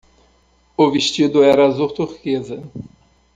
O vestido era azul turquesa.